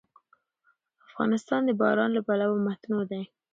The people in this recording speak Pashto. افغانستان د باران له پلوه متنوع دی.